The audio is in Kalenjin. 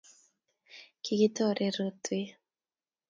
kikitore rotwe